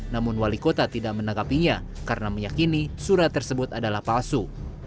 namun wali kota tidak menangkapinya karena meyakini surat tersebut adalah palsu